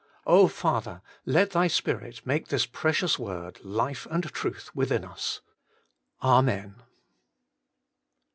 O Father ! let Thy Spirit make this precious word life and truth within us. Amen.